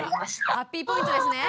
ハッピーポイントですね？